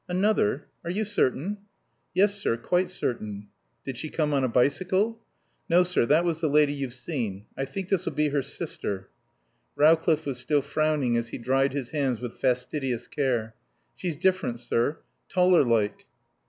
"Another? Are you certain?" "Yes, sir. Quite certain." "Did she come on a bicycle?" "No, sir, that was the lady you've seen. I think this'll be her sister." Rowcliffe was still frowning as he dried his hands with fastidious care. "She's different, sir. Taller like."